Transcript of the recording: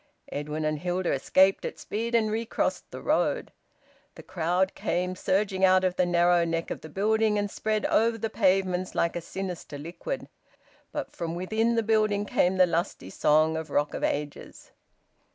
Edwin and Hilda escaped at speed and recrossed the road. The crowd came surging out of the narrow neck of the building and spread over the pavements like a sinister liquid. But from within the building came the lusty song of "Rock of Ages."